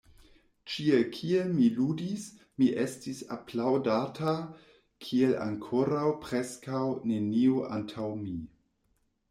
Ĉie kie mi ludis, mi estis aplaŭdata kiel ankoraŭ preskaŭ neniu antaŭ mi.